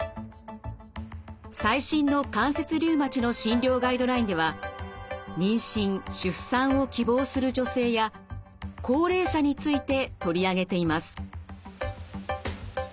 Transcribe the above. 最新の関節リウマチの診療ガイドラインでは妊娠・出産を希望する女性や高齢者について取り上げています。